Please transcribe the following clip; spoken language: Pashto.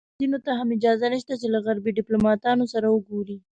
مجاهدینو ته هم اجازه نشته چې له غربي دیپلوماتانو سره وګوري.